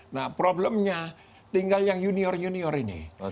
nah problemnya tinggal yang junior junior ini